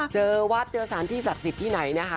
เจอวาดเจอสารที่สัตว์ศิษย์ที่ไหนนะคะ